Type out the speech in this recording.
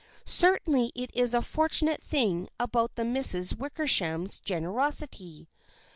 Certainly it is a fortunate thing about the Misses Wickersham's generosity.